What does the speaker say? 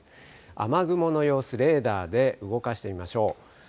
雨雲の様子、レーダーで動かしてみましょう。